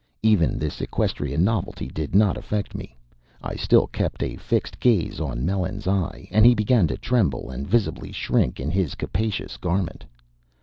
Even this equestrian novelty did not affect me. I still kept a fixed gaze on Melons's eye, and he began to tremble and visibly shrink in his capacious garment.